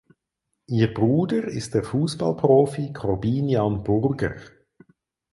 Ihr Bruder ist der Fußballprofi Korbinian Burger.